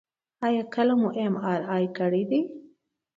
ایا کله مو ام آر آی کړې ده؟